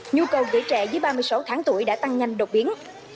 nhu cầu dễ trẻ dưới ba mươi sáu tháng tuổi đã tăng nhanh đột biến